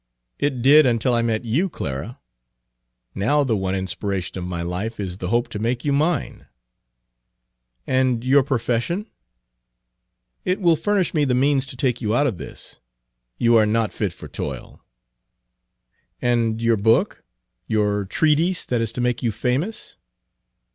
"It did until I met you, Clara. Now the one inspiration of my life is the hope to make you mine." "And your profession?" Page 30 "It will furnish me the means to take you out of this; you are not fit for toil." "And your book your treatise that is to make you famous?"